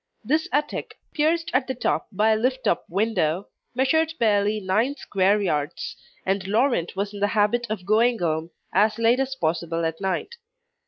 This attic, pierced at the top by a lift up window, measured barely nine square yards, and Laurent was in the habit of going home as late as possible at night.